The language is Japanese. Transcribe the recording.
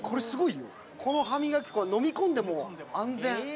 この歯磨き粉は飲み込んでも安全。